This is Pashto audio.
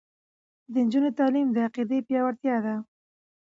د نجونو تعلیم د عقیدې پیاوړتیا ده.